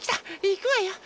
いくわよ。